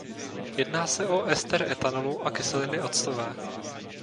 Jedná se o ester ethanolu a kyseliny octové.